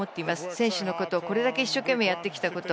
選手のことをこれだけ一生懸命やってきたこと。